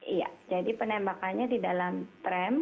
iya jadi penembakannya di dalam tram